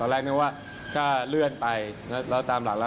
แรกนึกว่าถ้าเลื่อนไปแล้วตามหลักแล้ว